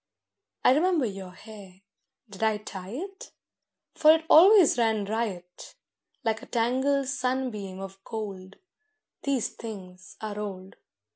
I remember your hair—did I tie it? For it always ran riot— Like a tangled sunbeam of gold: These things are old.